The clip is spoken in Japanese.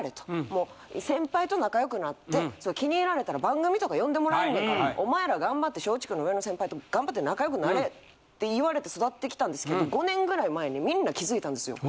もう先輩と仲良くなって気に入られたら番組とか呼んでもらえんねんからお前ら頑張って松竹の上の先輩と頑張って仲良くなれって言われて育ってきたんですけど５年ぐらい前にみんな気付いたんですよ。